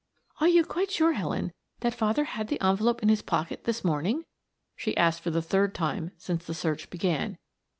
"Are you quite sure, Helen, that father had the envelope in his pocket this morning?" she asked for the third time since the search began.